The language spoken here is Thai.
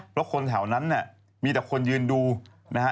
เพราะคนแถวนั้นเนี่ยมีแต่คนยืนดูนะฮะ